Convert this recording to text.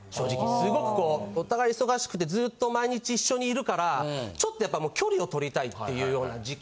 すごくこうお互い忙しくてずっと毎日一緒にいるからちょっとやっぱり距離を取りたいっていうような時期。